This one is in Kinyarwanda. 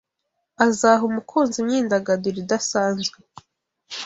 Azaha umukunzi imyidagaduro idasanzwe